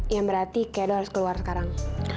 yang berarti kak edo harus keluar sekarang